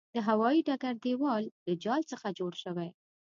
د هوايې ډګر دېوال له جال څخه جوړ شوی.